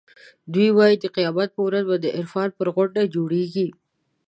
دوی وایي د قیامت ورځ به د عرفات پر غونډۍ جوړېږي.